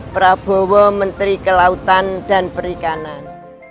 prabowo menteri kelautan dan perikanan